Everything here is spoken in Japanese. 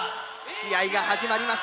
試合が始まりました。